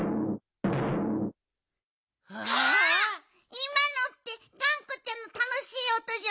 いまのってがんこちゃんのたのしいおとじゃない？